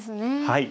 はい。